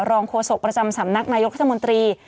รองโฆษกประจำสำนักนายกข้าวมนตรี